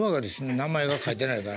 名前が書いてないから。